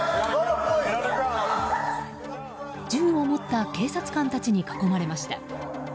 銃を持った警察官たちに囲まれました。